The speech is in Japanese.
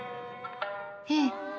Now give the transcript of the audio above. ええ。